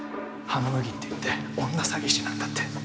羽野麦っていって女詐欺師なんだって